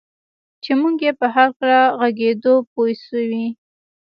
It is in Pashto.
چې موږ یې په هکله ږغېږو پوه شوې!.